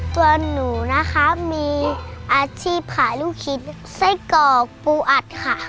ตัวหนูนะคะมีอาชีพขายลูกชิ้นไส้กรอกปูอัดค่ะ